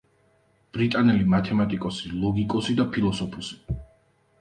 ბრიტანელი მათემატიკოსი, ლოგიკოსი და ფილოსოფოსი.